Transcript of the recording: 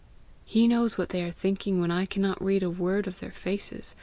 He knows what they are thinking when I cannot read a word of their faces.